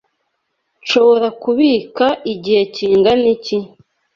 Nshobora kubika igihe kingana iki?